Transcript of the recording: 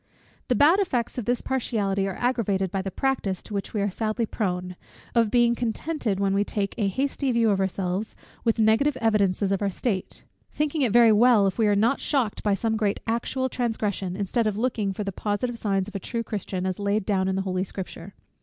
The bad effects of this partiality are aggravated by the practice, to which we are sadly prone, of being contented, when we take a hasty view of ourselves, with negative evidences of our state; thinking it very well if we are not shocked by some great actual transgression, instead of looking for the positive signs of a true Christian, as laid down in the holy Scripture.